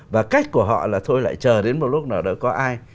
và cách của họ là thôi lại chờ đến một lúc nào đỡ có ai